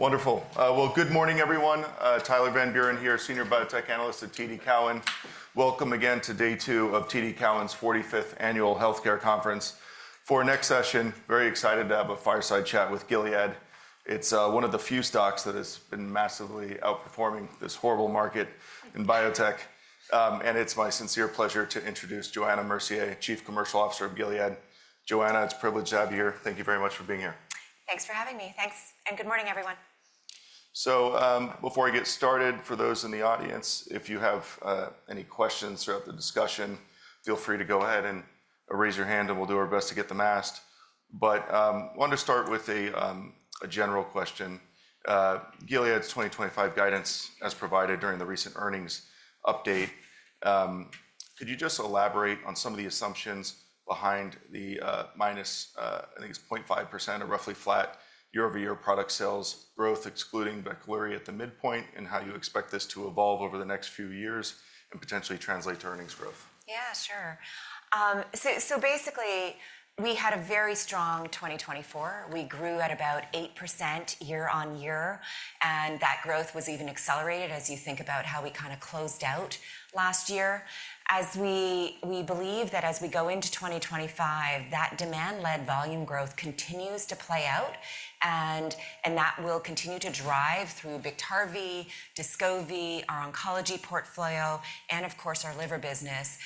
Wonderful. Well, good morning, everyone. Tyler Van Buren here, Senior Biotech Analyst at TD Cowen. Welcome again to day two of TD Cowen's 45th Annual Healthcare Conference. For our next session, very excited to have a fireside chat with Gilead. It's one of the few stocks that has been massively outperforming this horrible market in biotech, and it's my sincere pleasure to introduce Johanna Mercier, Chief Commercial Officer of Gilead. Johanna, it's a privilege to have you here. Thank you very much for being here. Thanks for having me. Thanks. And good morning, everyone. Before I get started, for those in the audience, if you have any questions throughout the discussion, feel free to go ahead and raise your hand, and we'll do our best to get them asked. I wanted to start with a general question. Gilead's 2025 guidance, as provided during the recent earnings update, could you just elaborate on some of the assumptions behind the minus, I think it's 0.5%, a roughly flat year-over-year product sales growth, excluding Biktarvy at the midpoint, and how you expect this to evolve over the next few years and potentially translate to earnings growth? Yeah, sure. So basically, we had a very strong 2024. We grew at about 8% year-on-year. And that growth was even accelerated as you think about how we kind of closed out last year. As we believe that as we go into 2025, that demand-led volume growth continues to play out. And that will continue to drive through Biktarvy, Descovy, our oncology portfolio, and of course, our liver business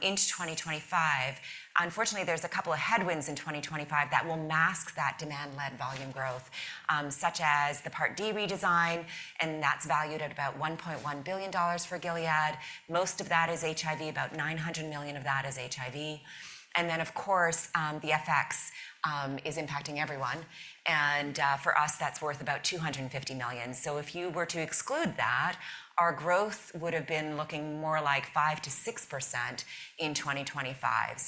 into 2025. Unfortunately, there's a couple of headwinds in 2025 that will mask that demand-led volume growth, such as the Part D redesign. And that's valued at about $1.1 billion for Gilead. Most of that is HIV. About $900 million of that is HIV. And then, of course, the FX is impacting everyone. And for us, that's worth about $250 million. So if you were to exclude that, our growth would have been looking more like 5%-6% in 2025.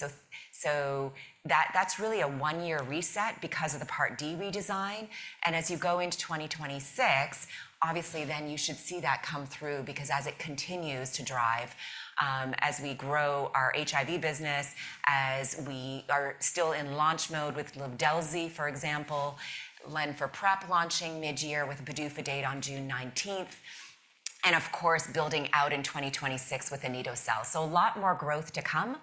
So that's really a one-year reset because of the Part D redesign. And as you go into 2026, obviously, then you should see that come through because as it continues to drive, as we grow our HIV business, as we are still in launch mode with Livdelzi, for example, lenacapavir PrEP launching midyear with PDUFA date on June 19th. And of course, building out in 2026 with anito-cel. So a lot more growth to come.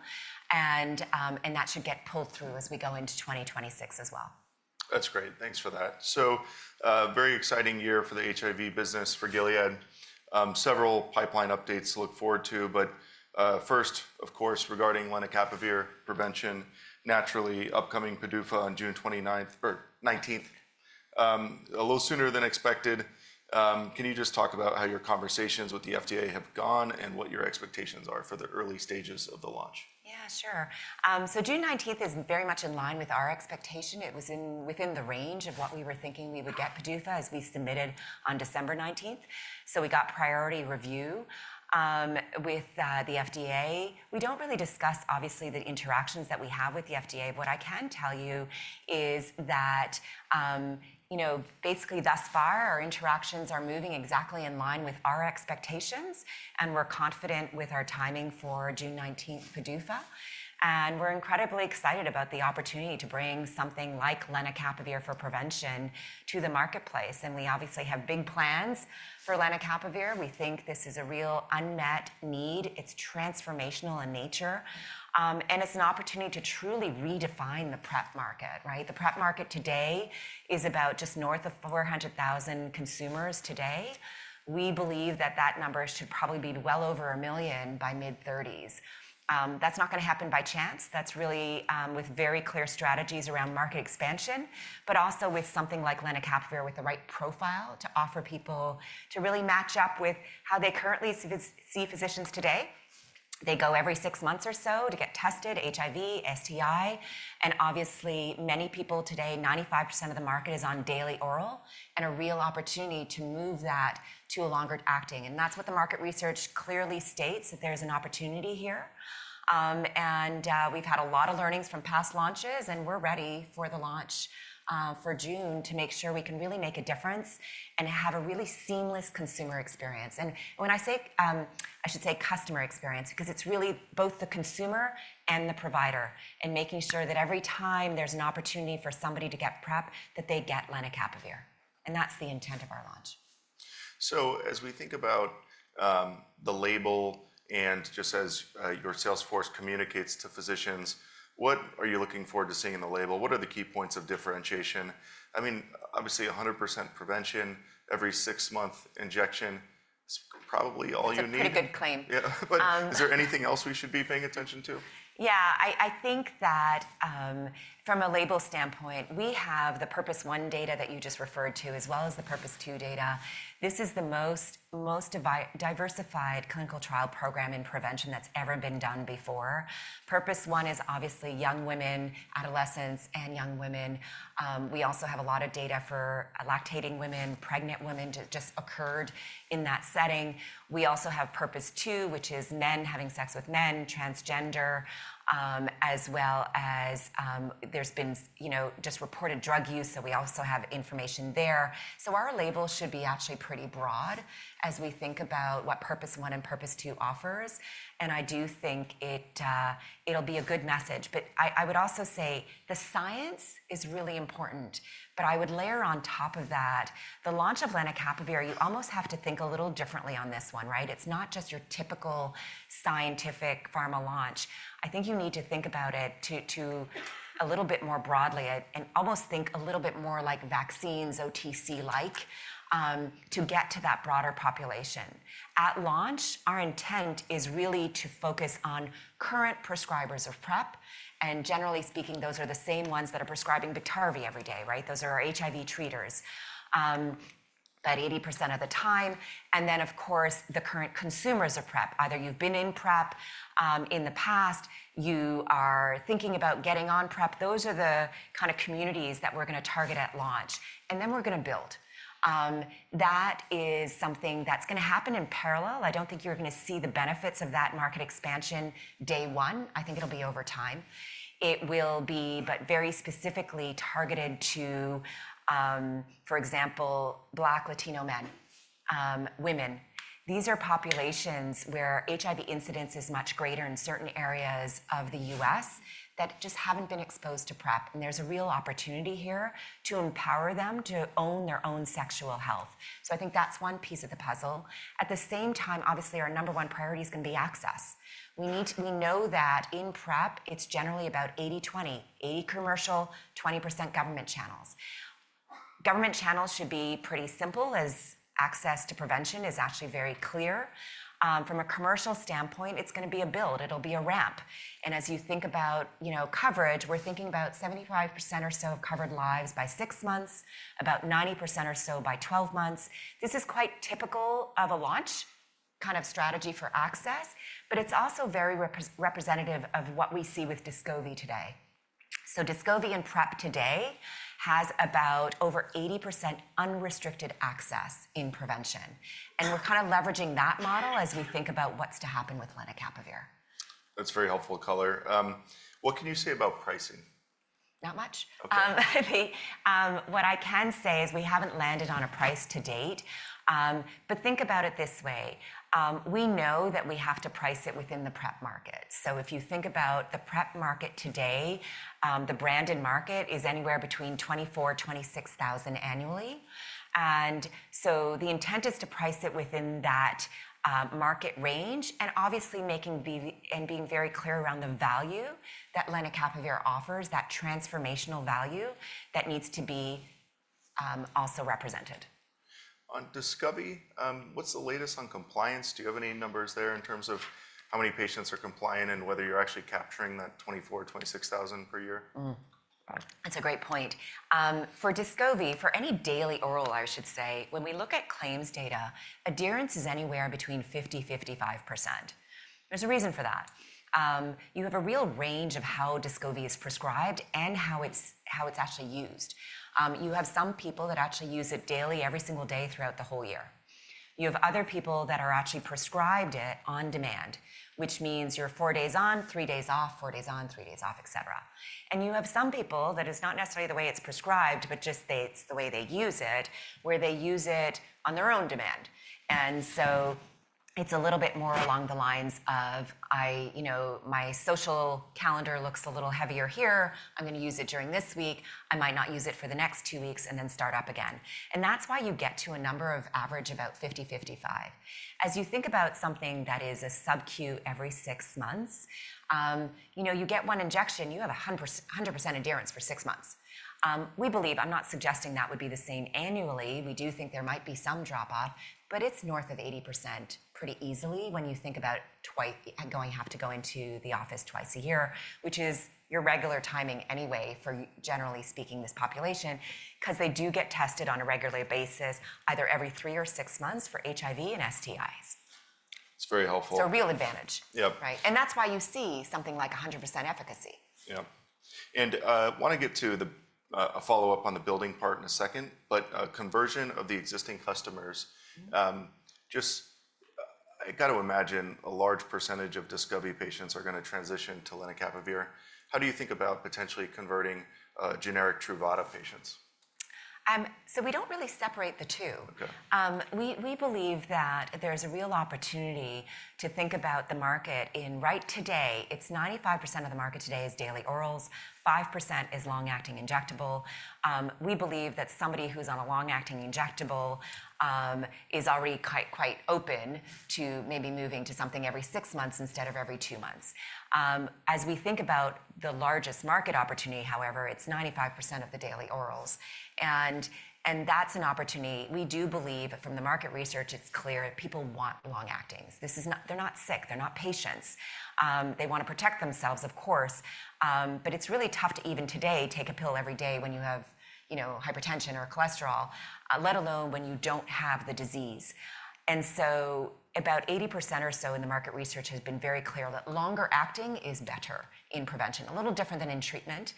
And that should get pulled through as we go into 2026 as well. That's great. Thanks for that. So very exciting year for the HIV business for Gilead. Several pipeline updates to look forward to. But first, of course, regarding lenacapavir prevention, naturally, upcoming PDUFA on June 29th or 19th, a little sooner than expected. Can you just talk about how your conversations with the FDA have gone and what your expectations are for the early stages of the launch? Yeah, sure. So June 19th is very much in line with our expectation. It was within the range of what we were thinking we would get PDUFA as we submitted on December 19th. So we got priority review with the FDA. We don't really discuss, obviously, the interactions that we have with the FDA. What I can tell you is that, basically, thus far, our interactions are moving exactly in line with our expectations, and we're confident with our timing for June 19th PDUFA, and we're incredibly excited about the opportunity to bring something like lenacapavir for prevention to the marketplace, and we obviously have big plans for lenacapavir. We think this is a real unmet need. It's transformational in nature, and it's an opportunity to truly redefine the PrEP market, right? The PrEP market today is about just north of 400,000 consumers today. We believe that that number should probably be well over a million by mid-2030s. That's not going to happen by chance. That's really with very clear strategies around market expansion, but also with something like lenacapavir with the right profile to offer people to really match up with how they currently see physicians today. They go every six months or so to get tested, HIV, STI. And obviously, many people today, 95% of the market is on daily oral, and a real opportunity to move that to a longer acting. And that's what the market research clearly states, that there's an opportunity here. And we've had a lot of learnings from past launches. And we're ready for the launch for June to make sure we can really make a difference and have a really seamless consumer experience. And when I say, I should say customer experience, because it's really both the consumer and the provider and making sure that every time there's an opportunity for somebody to get PrEP, that they get lenacapavir. And that's the intent of our launch. So as we think about the label and just as your sales force communicates to physicians, what are you looking forward to seeing in the label? What are the key points of differentiation? I mean, obviously, 100% prevention, every six-month injection is probably all you need. That's a pretty good claim. Yeah. But is there anything else we should be paying attention to? Yeah. I think that from a label standpoint, we have the PURPOSE 1 data that you just referred to, as well as the PURPOSE 2 data. This is the most diversified clinical trial program in prevention that's ever been done before. PURPOSE 1 is obviously young women, adolescents, and young women. We also have a lot of data for lactating women, pregnant women, just occurred in that setting. We also have PURPOSE 2, which is men having sex with men, transgender, as well as there's been just reported drug use. So we also have information there. So our label should be actually pretty broad as we think about what PURPOSE 1 and PURPOSE 2 offers, and I do think it'll be a good message, but I would also say the science is really important. But I would layer on top of that, the launch of lenacapavir. You almost have to think a little differently on this one, right? It's not just your typical scientific pharma launch. I think you need to think about it a little bit more broadly and almost think a little bit more like vaccines, OTC-like, to get to that broader population. At launch, our intent is really to focus on current prescribers of PrEP. And generally speaking, those are the same ones that are prescribing Biktarvy every day, right? Those are our HIV treaters about 80% of the time. And then, of course, the current consumers of PrEP. Either you've been in PrEP in the past, you are thinking about getting on PrEP. Those are the kind of communities that we're going to target at launch. And then we're going to build. That is something that's going to happen in parallel. I don't think you're going to see the benefits of that market expansion day one, I think it'll be over time. It will be, but very specifically targeted to, for example, Black Latino men, women. These are populations where HIV incidence is much greater in certain areas of the U.S. that just haven't been exposed to PrEP. And there's a real opportunity here to empower them to own their own sexual health. So I think that's one piece of the puzzle. At the same time, obviously, our number one priority is going to be access. We know that in PrEP, it's generally about 80/20, 80% commercial, 20% government channels. Government channels should be pretty simple, as access to prevention is actually very clear. From a commercial standpoint, it's going to be a build. It'll be a ramp. And as you think about coverage, we're thinking about 75% or so of covered lives by six months, about 90% or so by 12 months. This is quite typical of a launch kind of strategy for access. But it's also very representative of what we see with Descovy today. So Descovy and PrEP today has about over 80% unrestricted access in prevention. And we're kind of leveraging that model as we think about what's to happen with lenacapavir. That's very helpful color. What can you say about pricing? Not much. OK. What I can say is we haven't landed on a price to date, but think about it this way. We know that we have to price it within the PrEP market, so if you think about the PrEP market today, the branded market is anywhere between $24,000-$26,000 annually, and so the intent is to price it within that market range and obviously making and being very clear around the value that lenacapavir offers, that transformational value that needs to be also represented. On Descovy, what's the latest on compliance? Do you have any numbers there in terms of how many patients are compliant and whether you're actually capturing that $24,000-$26,000 per year? That's a great point. For Descovy, for any daily oral, I should say, when we look at claims data, adherence is anywhere between 50% and 55%. There's a reason for that. You have a real range of how Descovy is prescribed and how it's actually used. You have some people that actually use it daily, every single day throughout the whole year. You have other people that are actually prescribed it on demand, which means you're four days on, three days off, four days on, three days off, etc. And you have some people that it's not necessarily the way it's prescribed, but just it's the way they use it, where they use it on their own demand. And so it's a little bit more along the lines of, my social calendar looks a little heavier here. I'm going to use it during this week, I might not use it for the next two weeks and then start up again. And that's why you get to a number of average about 50%-55%. As you think about something that is a subcutaneous every six months, you get one injection, you have 100% adherence for six months. We believe, I'm not suggesting that would be the same annually. We do think there might be some drop-off, but it's north of 80% pretty easily when you think about going to have to go into the office twice a year, which is your regular timing anyway for, generally speaking, this population, because they do get tested on a regular basis, either every three or six months for HIV and STIs. That's very helpful. It's a real advantage. Yeah. Right? And that's why you see something like 100% efficacy. Yeah. And I want to get to a follow-up on the building part in a second, but conversion of the existing customers, just I got to imagine a large percentage of Descovy patients are going to transition to lenacapavir. How do you think about potentially converting generic Truvada patients? So we don't really separate the two. OK. We believe that there's a real opportunity to think about the market outright today. It's 95% of the market today is daily orals. 5% is long-acting injectable. We believe that somebody who's on a long-acting injectable is already quite open to maybe moving to something every six months instead of every two months. As we think about the largest market opportunity, however, it's 95% of the daily orals. And that's an opportunity. We do believe, from the market research, it's clear that people want long-actings. They're not sick. They're not patients. They want to protect themselves, of course. But it's really tough to even today take a pill every day when you have hypertension or cholesterol, let alone when you don't have the disease. And so about 80% or so in the market research has been very clear that longer acting is better in prevention, a little different than in treatment.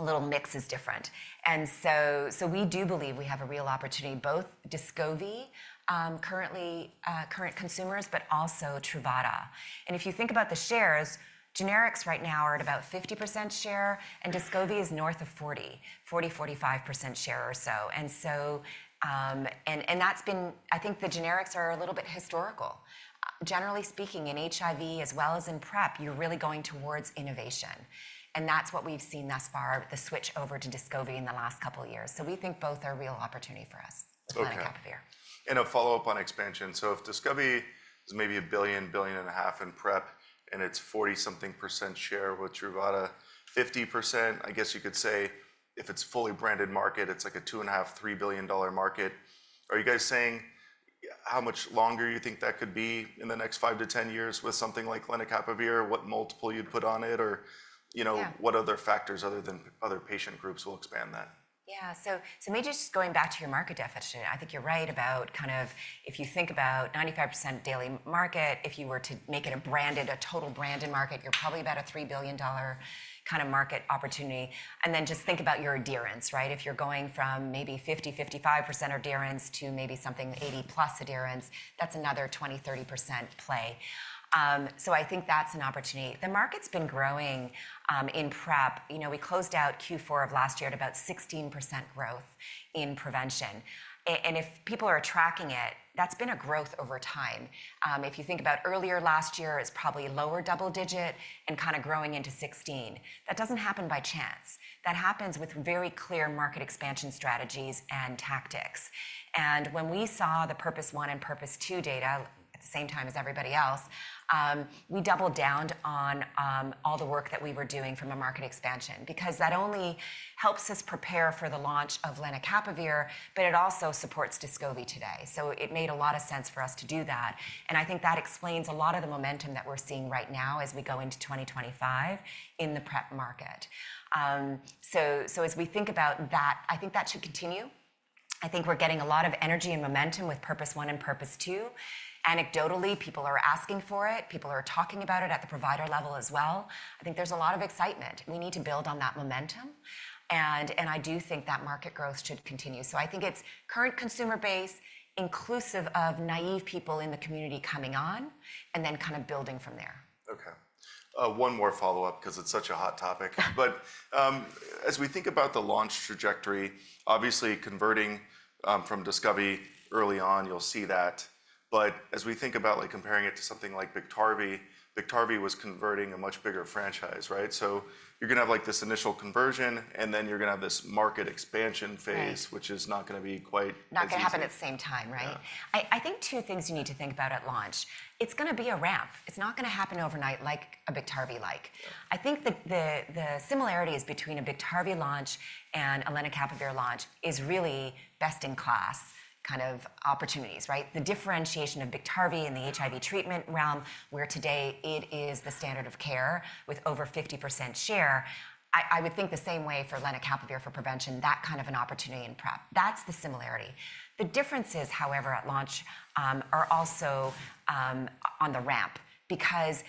A little mix is different. And so we do believe we have a real opportunity, both Descovy current consumers, but also Truvada. And if you think about the shares, generics right now are at about 50% share. And Descovy is north of 40%, 40%, 45% share or so. And that's been, I think the generics are a little bit historical. Generally speaking, in HIV, as well as in PrEP, you're really going towards innovation. And that's what we've seen thus far, the switch over to Descovy in the last couple of years. So we think both are a real opportunity for us with lenacapavir. A follow-up on expansion. So if Descovy is maybe $1 billion-$1.5 billion in PrEP, and it's 40%-something share with Truvada, 50%, I guess you could say, if it's fully branded market, it's like a $2.5 billion-$3 billion market. Are you guys saying how much longer you think that could be in the next five to ten years with something like lenacapavir, what multiple you'd put on it, or what other factors other than other patient groups will expand that? Yeah. So maybe just going back to your market definition, I think you're right about kind of if you think about 95% daily market, if you were to make it a branded, a total branded market, you're probably about a $3 billion kind of market opportunity. And then just think about your adherence, right? If you're going from maybe 50%, 55% adherence to maybe something 80% plus adherence, that's another 20%, 30% play. So I think that's an opportunity. The market's been growing in PrEP. We closed out Q4 of last year at about 16% growth in prevention. And if people are tracking it, that's been a growth over time. If you think about earlier last year, it's probably lower double digit and kind of growing into 16%. That doesn't happen by chance. That happens with very clear market expansion strategies and tactics. When we saw the PURPOSE 1 and PURPOSE 2 data at the same time as everybody else, we doubled down on all the work that we were doing from a market expansion, because that only helps us prepare for the launch of lenacapavir, but it also supports Descovy today. So it made a lot of sense for us to do that. And I think that explains a lot of the momentum that we're seeing right now as we go into 2025 in the PrEP market. So as we think about that, I think that should continue. I think we're getting a lot of energy and momentum with PURPOSE 1 and PURPOSE 2. Anecdotally, people are asking for it. People are talking about it at the provider level as well. I think there's a lot of excitement. We need to build on that momentum. I do think that market growth should continue. I think it's current consumer base, inclusive of naive people in the community coming on, and then kind of building from there. OK. One more follow-up, because it's such a hot topic. But as we think about the launch trajectory, obviously converting from Descovy early on, you'll see that. But as we think about comparing it to something like Biktarvy, Biktarvy was converting a much bigger franchise, right? So you're going to have this initial conversion, and then you're going to have this market expansion phase, which is not going to be quite the same. Not going to happen at the same time, right? I think two things you need to think about at launch. It's going to be a ramp. It's not going to happen overnight like a Biktarvy-like. I think the similarities between a Biktarvy launch and a lenacapavir launch is really best-in-class kind of opportunities, right? The differentiation of Biktarvy in the HIV treatment realm, where today it is the standard of care with over 50% share. I would think the same way for lenacapavir for prevention, that kind of an opportunity in PrEP. That's the similarity. The differences, however, at launch are also on the ramp, because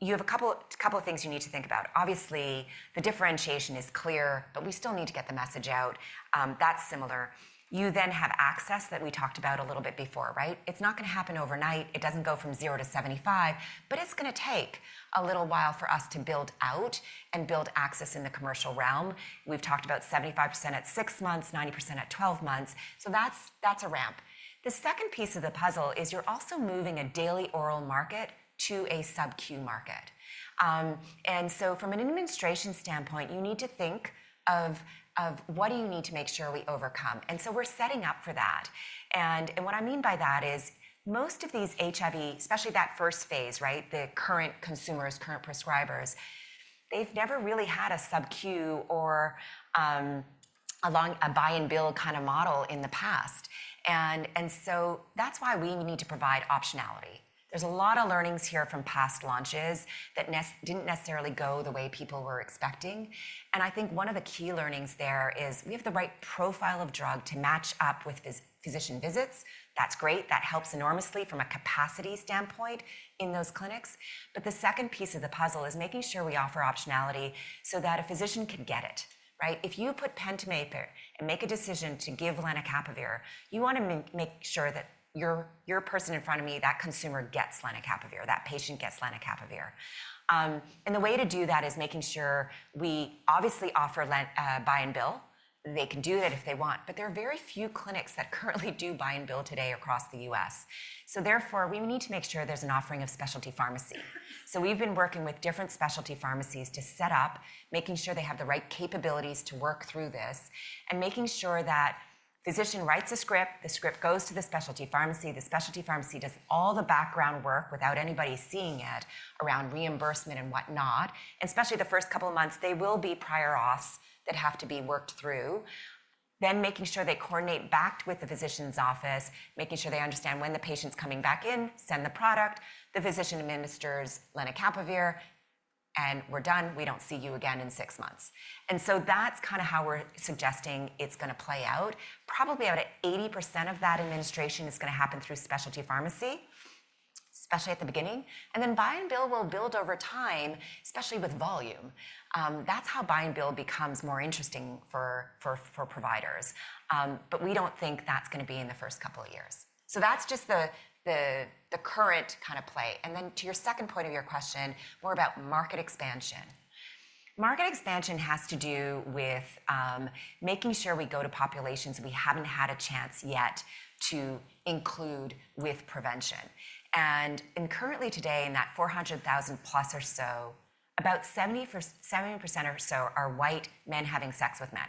you have a couple of things you need to think about. Obviously, the differentiation is clear, but we still need to get the message out. That's similar. You then have access that we talked about a little bit before, right? It's not going to happen overnight. It doesn't go from 0%-75%, but it's going to take a little while for us to build out and build access in the commercial realm. We've talked about 75% at six months, 90% at 12 months, so that's a ramp. The second piece of the puzzle is you're also moving a daily oral market to a subcutaneous market, and so from an administration standpoint, you need to think of what do you need to make sure we overcome. And so we're setting up for that, and what I mean by that is most of these HIV, especially that first phase, right, the current consumers, current prescribers, they've never really had a subcutaneous or a buy-and-bill kind of model in the past. And so that's why we need to provide optionality. There's a lot of learnings here from past launches that didn't necessarily go the way people were expecting. And I think one of the key learnings there is we have the right profile of drug to match up with physician visits. That's great. That helps enormously from a capacity standpoint in those clinics. But the second piece of the puzzle is making sure we offer optionality so that a physician can get it, right? If you put pen to paper and make a decision to give lenacapavir, you want to make sure that your person in front of me, that consumer, gets lenacapavir, that patient gets lenacapavir. And the way to do that is making sure we obviously offer buy-and-bill. They can do that if they want. But there are very few clinics that currently do buy-and-bill today across the U.S. So therefore, we need to make sure there's an offering of specialty pharmacy. So we've been working with different specialty pharmacies to set up, making sure they have the right capabilities to work through this, and making sure that physician writes a script. The script goes to the specialty pharmacy. The specialty pharmacy does all the background work without anybody seeing it around reimbursement and whatnot, and especially the first couple of months, there will be prior auths that have to be worked through, then making sure they coordinate back with the physician's office, making sure they understand when the patient's coming back in, send the product, the physician administers lenacapavir, and we're done. We don't see you again in six months, and so that's kind of how we're suggesting it's going to play out. Probably about 80% of that administration is going to happen through specialty pharmacy, especially at the beginning, and then buy-and-bill will build over time, especially with volume. That's how buy-and-bill becomes more interesting for providers, but we don't think that's going to be in the first couple of years. So that's just the current kind of play, and then to your second point of your question, more about market expansion. Market expansion has to do with making sure we go to populations we haven't had a chance yet to include with prevention, and currently today, in that 400,000+ or so, about 70% or so are white men having sex with men.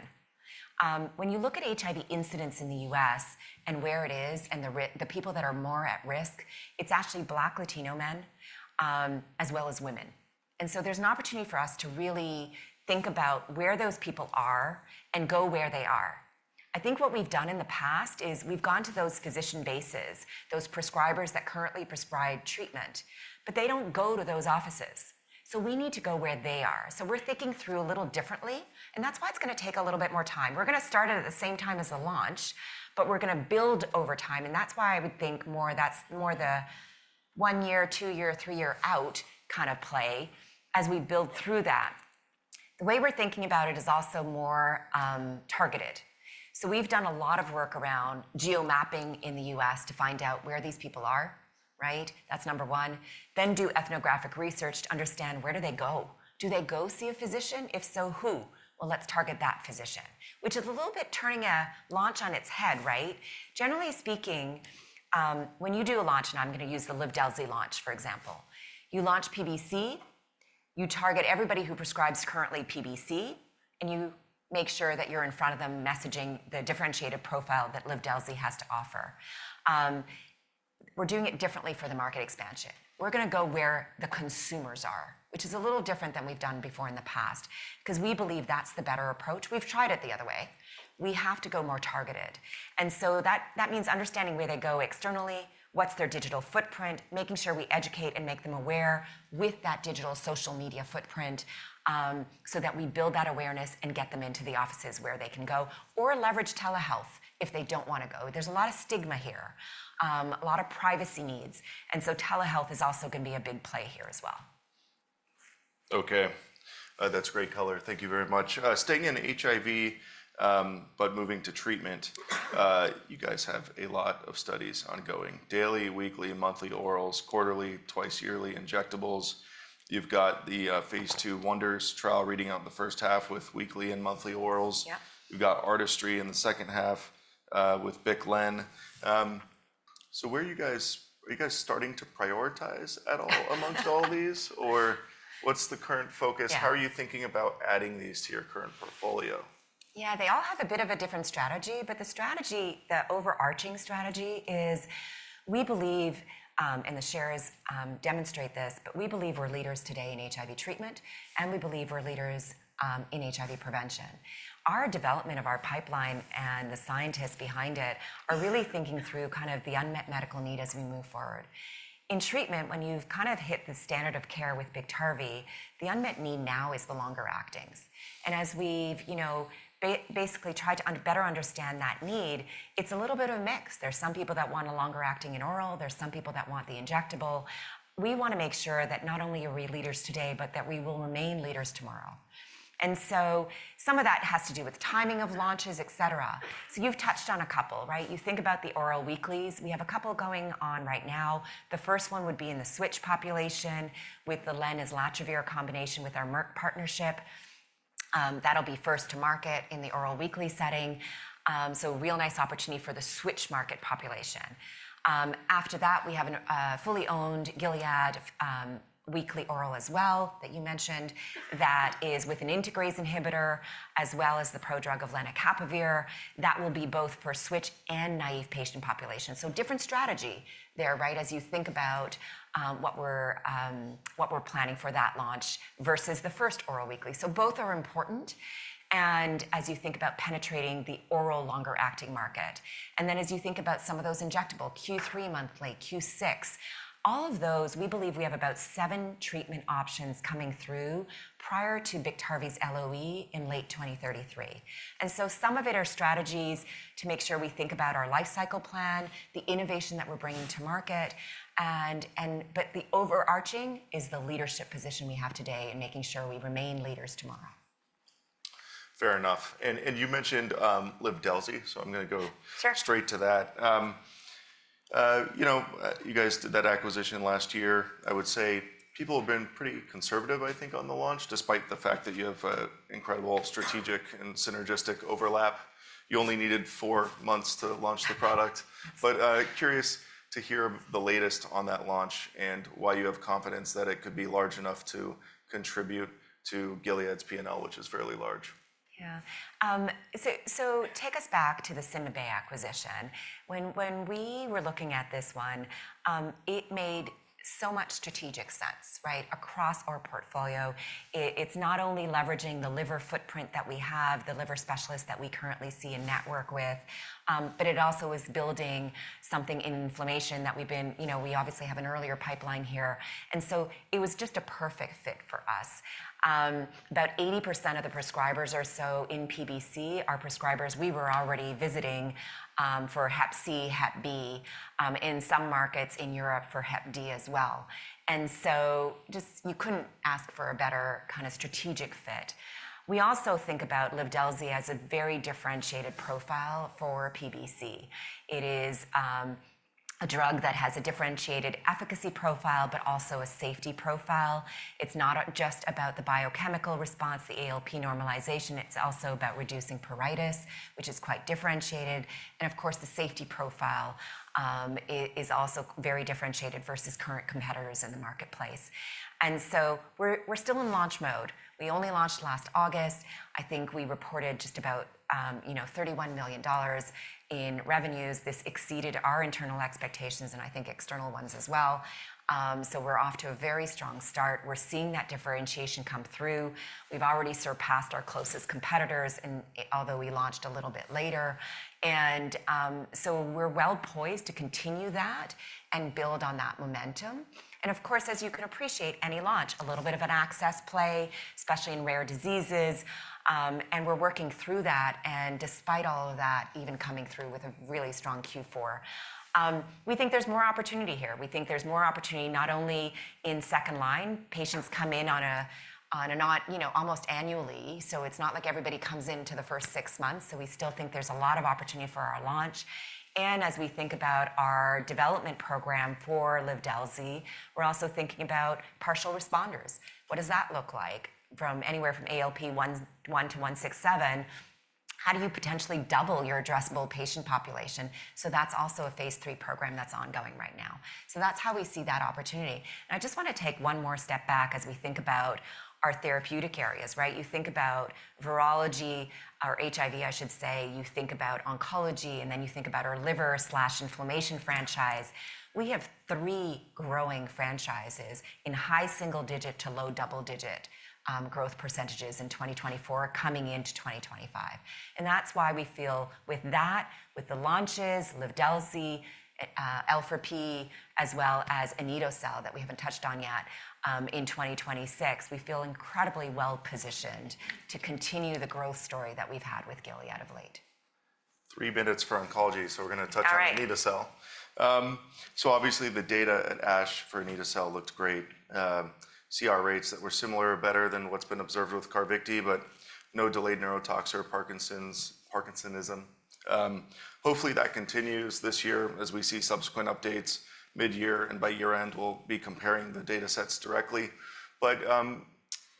When you look at HIV incidence in the U.S. and where it is and the people that are more at risk, it's actually Black Latino men as well as women. And so there's an opportunity for us to really think about where those people are and go where they are. I think what we've done in the past is we've gone to those physician bases, those prescribers that currently prescribe treatment, but they don't go to those offices. So we need to go where they are. So we're thinking through a little differently. And that's why it's going to take a little bit more time. We're going to start at the same time as the launch, but we're going to build over time. And that's why I would think more that's more the one-year, two-year, three-year out kind of play as we build through that. The way we're thinking about it is also more targeted. So we've done a lot of work around geomapping in the U.S. to find out where these people are, right? That's number one. Then do ethnographic research to understand where do they go? Do they go see a physician? If so, who? Well, let's target that physician, which is a little bit turning a launch on its head, right? Generally speaking, when you do a launch, and I'm going to use the Livdelzi launch, for example, you launch PBC, you target everybody who prescribes currently PBC, and you make sure that you're in front of them messaging the differentiated profile that Livdelzi has to offer. We're doing it differently for the market expansion. We're going to go where the consumers are, which is a little different than we've done before in the past, because we believe that's the better approach. We've tried it the other way. We have to go more targeted. And so that means understanding where they go externally, what's their digital footprint, making sure we educate and make them aware with that digital social media footprint so that we build that awareness and get them into the offices where they can go, or leverage telehealth if they don't want to go. There's a lot of stigma here, a lot of privacy needs. And so telehealth is also going to be a big play here as well. OK. That's great color. Thank you very much. Staying in HIV, but moving to treatment, you guys have a lot of studies ongoing. Daily, weekly, monthly orals, quarterly, twice yearly injectables. You've got the Phase II WONDERS trial reading out in the first half with weekly and monthly orals. You've got ARTISTRY in the second half with bictegravir lenacapavir. So where are you guys starting to prioritize at all amongst all these? Or what's the current focus? How are you thinking about adding these to your current portfolio? Yeah, they all have a bit of a different strategy. But the strategy, the overarching strategy, is we believe, and the shares demonstrate this, but we believe we're leaders today in HIV treatment, and we believe we're leaders in HIV prevention. Our development of our pipeline and the scientists behind it are really thinking through kind of the unmet medical need as we move forward. In treatment, when you've kind of hit the standard of care with Biktarvy, the unmet need now is the longer actings. And as we've basically tried to better understand that need, it's a little bit of a mix. There's some people that want a longer acting in oral. There's some people that want the injectable. We want to make sure that not only are we leaders today, but that we will remain leaders tomorrow. And so some of that has to do with timing of launches, etc. So you've touched on a couple, right? You think about the oral weeklies. We have a couple going on right now. The first one would be in the switch population with the lenacapavir islatravir combination with our Merck partnership. That'll be first to market in the oral weekly setting. So real nice opportunity for the switch market population. After that, we have a fully owned Gilead weekly oral as well that you mentioned that is with an integrase inhibitor as well as the prodrug of lenacapavir. That will be both for switch and naive patient population. So different strategy there, right, as you think about what we're planning for that launch versus the first oral weekly. So both are important. And as you think about penetrating the oral longer acting market. And then as you think about some of those injectable Q3 monthly, Q6, all of those, we believe we have about seven treatment options coming through prior to Biktarvy's LOE in late 2033. And so some of it are strategies to make sure we think about our lifecycle plan, the innovation that we're bringing to market. But the overarching is the leadership position we have today and making sure we remain leaders tomorrow. Fair enough. And you mentioned Livdelzi. So I'm going to go straight to that. You guys did that acquisition last year. I would say people have been pretty conservative, I think, on the launch, despite the fact that you have incredible strategic and synergistic overlap. You only needed four months to launch the product. But curious to hear the latest on that launch and why you have confidence that it could be large enough to contribute to Gilead's P&L, which is fairly large. Yeah. So take us back to the CymaBay acquisition. When we were looking at this one, it made so much strategic sense, right, across our portfolio. It's not only leveraging the liver footprint that we have, the liver specialists that we currently see and network with, but it also is building something in inflammation that we've been, you know, we obviously have an earlier pipeline here. And so it was just a perfect fit for us. About 80% of the prescribers or so in PBC are prescribers we were already visiting for Hep C, Hep B, in some markets in Europe for Hep D as well. And so just you couldn't ask for a better kind of strategic fit. We also think about Livdelzi as a very differentiated profile for PBC. It is a drug that has a differentiated efficacy profile, but also a safety profile. It's not just about the biochemical response, the ALP normalization. It's also about reducing pruritus, which is quite differentiated. And of course, the safety profile is also very differentiated versus current competitors in the marketplace. And so we're still in launch mode. We only launched last August. I think we reported just about $31 million in revenues. This exceeded our internal expectations and I think external ones as well. So we're off to a very strong start. We're seeing that differentiation come through. We've already surpassed our closest competitors, although we launched a little bit later. And so we're well poised to continue that and build on that momentum. And of course, as you can appreciate, any launch, a little bit of an access play, especially in rare diseases. And we're working through that. Despite all of that, even coming through with a really strong Q4, we think there's more opportunity here. We think there's more opportunity not only in second line. Patients come in on OCA, you know, almost annually. It's not like everybody comes in to the first six months. We still think there's a lot of opportunity for our launch. As we think about our development program for Livdelzi, we're also thinking about partial responders. What does that look like from anywhere from ALP 1 to 1.67? How do you potentially double your addressable patient population? That's also a Phase III program that's ongoing right now. That's how we see that opportunity. I just want to take one more step back as we think about our therapeutic areas, right? You think about virology, or HIV, I should say. You think about oncology. And then you think about our liver/inflammation franchise. We have three growing franchises in high single-digit to low double-digit growth percentage in 2024 coming into 2025. And that's why we feel with that, with the launches, Livdelzi, L4P, as well as anito-cel, that we haven't touched on yet in 2026, we feel incredibly well positioned to continue the growth story that we've had with Gilead of late. Three minutes for oncology. So we're going to touch on anito-cel. So obviously, the data at ASH for anito-cel looked great. CR rates that were similar or better than what's been observed with Carvykti, but no delayed neurotox or Parkinsonism. Hopefully, that continues this year as we see subsequent updates mid-year. And by year-end, we'll be comparing the data sets directly. But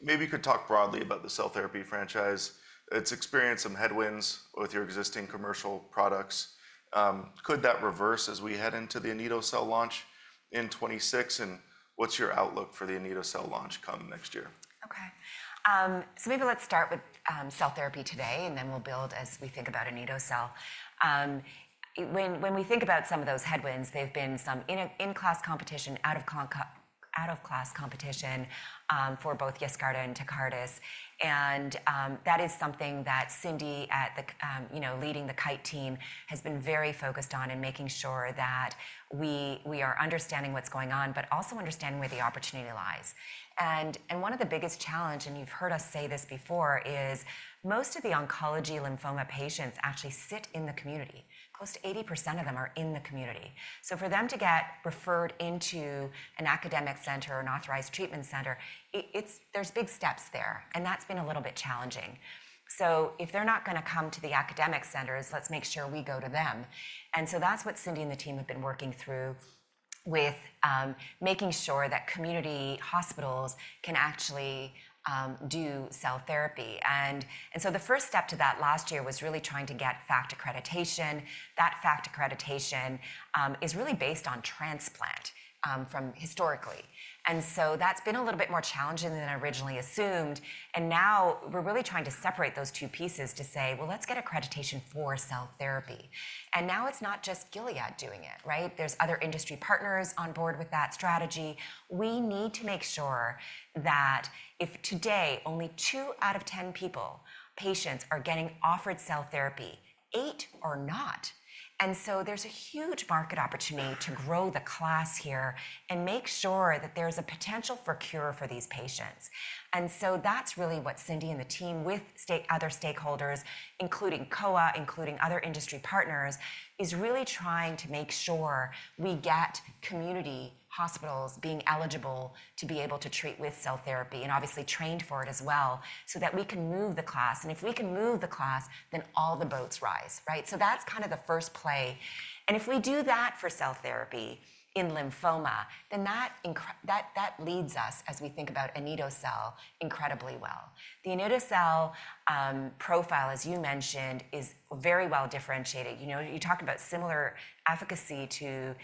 maybe you could talk broadly about the cell therapy franchise. It's experienced some headwinds with your existing commercial products. Could that reverse as we head into the anito-cel launch in 2026? And what's your outlook for the anito-cel launch come next year? OK. So maybe let's start with cell therapy today, and then we'll build as we think about anito-cel. When we think about some of those headwinds, there have been some in-class competition, out-of-class competition for both Yescarta and Tecartus. And that is something that Cindy, leading the Kite team, has been very focused on and making sure that we are understanding what's going on, but also understanding where the opportunity lies. And one of the biggest challenges, and you've heard us say this before, is most of the oncology lymphoma patients actually sit in the community. Close to 80% of them are in the community. So for them to get referred into an academic center, an authorized treatment center, there's big steps there. And that's been a little bit challenging. So if they're not going to come to the academic centers, let's make sure we go to them. And so that's what Cindy and the team have been working through with making sure that community hospitals can actually do cell therapy. And so the first step to that last year was really trying to get FACT accreditation. That FACT accreditation is really based on transplants historically. And so that's been a little bit more challenging than originally assumed. And now we're really trying to separate those two pieces to say, well, let's get accreditation for cell therapy. And now it's not just Gilead doing it, right? There's other industry partners on board with that strategy. We need to make sure that if today only two out of 10 patients are getting offered cell therapy, eight are not. And so there's a huge market opportunity to grow the class here and make sure that there's a potential for cure for these patients. And so that's really what Cindy and the team with other stakeholders, including COA, including other industry partners, is really trying to make sure we get community hospitals being eligible to be able to treat with cell therapy and obviously trained for it as well so that we can move the class. And if we can move the class, then all the boats rise, right? So that's kind of the first play. And if we do that for cell therapy in lymphoma, then that leads us, as we think about anito-cel, incredibly well. The anito-cel profile, as you mentioned, is very well differentiated. You talked about similar efficacy to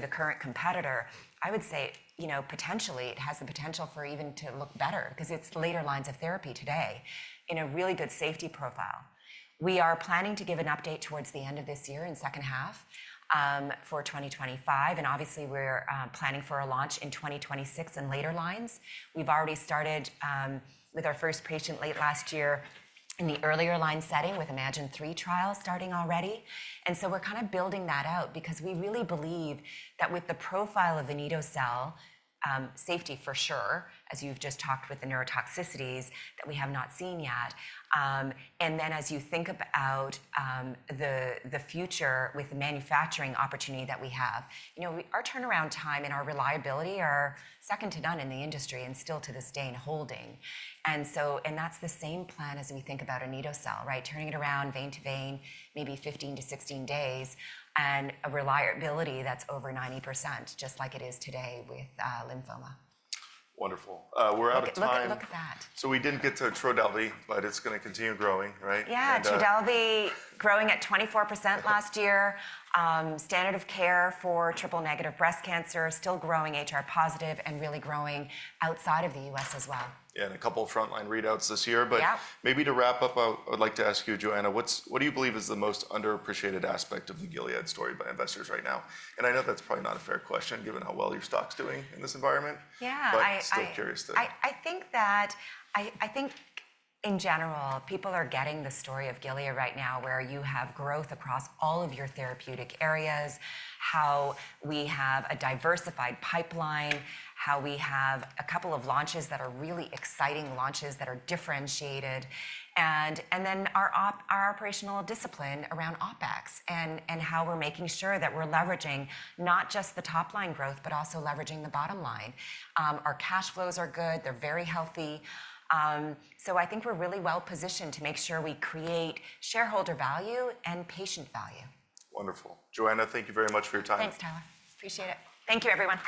the current competitor. I would say, you know, potentially, it has the potential for even to look better because it's later lines of therapy today in a really good safety profile. We are planning to give an update towards the end of this year in second half for 2025. And obviously, we're planning for a launch in 2026 and later lines. We've already started with our first patient late last year in the earlier line setting with iMAGINE-3 trial starting already. And so we're kind of building that out because we really believe that with the profile of anito-cel, safety for sure, as you've just talked with the neurotoxicities that we have not seen yet. And then as you think about the future with the manufacturing opportunity that we have, you know, our turnaround time and our reliability are second to none in the industry and still to this day and holding. And that's the same plan as we think about anito-cel, right? Turning it around vein-to-vein, maybe 15-16 days, and a reliability that's over 90%, just like it is today with lymphoma. Wonderful. We're out of time. Look at that. So we didn't get to Trodelvy, but it's going to continue growing, right? Yeah, Trodelvy growing at 24% last year. Standard of care for triple-negative breast cancer still growing HR-positive and really growing outside of the U.S. as well. Yeah, and a couple of frontline readouts this year. But maybe to wrap up, I would like to ask you, Johanna, what do you believe is the most underappreciated aspect of the Gilead story by investors right now? And I know that's probably not a fair question given how well your stock's doing in this environment. Yeah. But still curious to. I think in general, people are getting the story of Gilead right now where you have growth across all of your therapeutic areas, how we have a diversified pipeline, how we have a couple of launches that are really exciting and differentiated, and then our operational discipline around OpEx and how we're making sure that we're leveraging not just the top line growth, but also leveraging the bottom line. Our cash flows are good. They're very healthy. So I think we're really well positioned to make sure we create shareholder value and patient value. Wonderful. Johanna, thank you very much for your time. Thanks, Tyler. Appreciate it. Thank you, everyone.